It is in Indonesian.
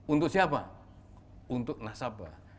untuk siapa untuk nasabah